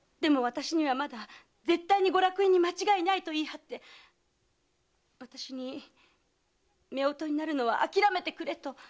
私にはまだ絶対にご落胤に間違いないと言い張って私に夫婦になるのはあきらめてくれと。